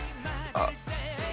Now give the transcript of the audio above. あっ。